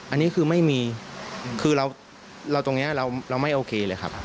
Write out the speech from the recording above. อันนี้คือไม่มีคือเราตรงนี้เราไม่โอเคเลยครับ